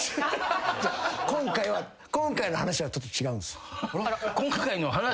今回は今回の話はちょっと違うんすよ。